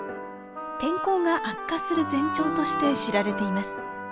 天候が悪化する前兆として知られています。